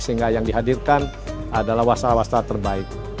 sehingga yang dihadirkan adalah wastra wasstra terbaik